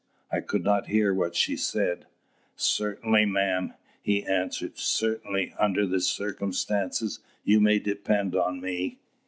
I could not hear what she said. "Cert'nly, ma'm'," he answered. "Cert'nly, under the circumstances, you may depend on me."